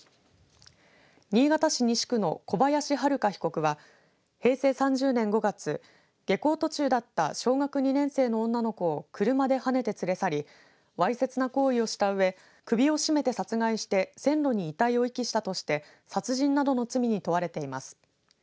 新潟市西区の小林遼被告は平成３０年５月下校途中だった小学２年生の女の子を車ではねて連れ去りわいせつな行為をしたうえ首を絞めて殺害して線路に遺体を遺棄したとして殺人などの罪に問われています。